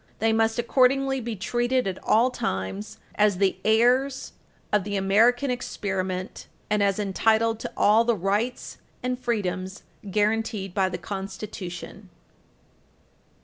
They must, accordingly, be treated at all times as the heirs of the American experiment, and as entitled to all the rights and freedoms guaranteed by the Constitution.